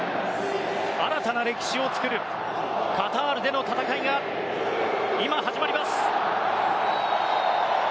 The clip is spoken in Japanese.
新たな歴史を作るカタールでの戦いが今、始まります。